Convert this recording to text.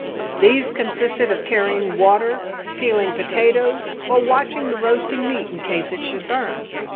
These consisted of carrying water, peeling potatoes, or watching the roasting meat in case it should burn.